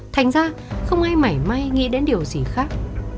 thành ra không ai mảy may nghĩ đến điều gì khác